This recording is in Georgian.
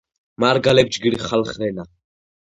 მარგალეფ ჯგირ ხალხ რენა.